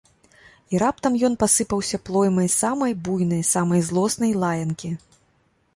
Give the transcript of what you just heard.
І раптам ён пасыпаўся плоймай самай буйнай, самай злоснай лаянкі.